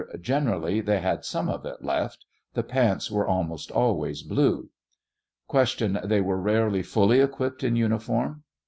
Generally they had some of it left ; the pants were almost always blue. 40 Q. They were rarely fully equipped in uniform